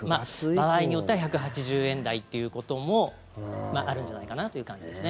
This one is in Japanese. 場合によっては１８０円台ということもあるんじゃないかなという感じですね。